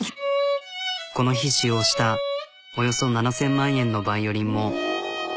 この日使用したおよそ７、０００万円のヴァイオリンも。